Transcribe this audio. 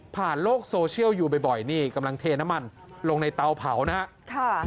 โลกโซเชียลอยู่บ่อยนี่กำลังเทน้ำมันลงในเตาเผานะครับ